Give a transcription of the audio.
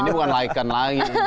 ini bukan laikan lagi